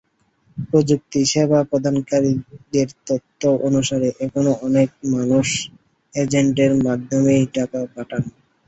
প্রযুক্তি সেবা প্রদানকারীদের তথ্য অনুসারে, এখনো অনেক মানুষ এজেন্টের মাধ্যমেই টাকা পাঠান।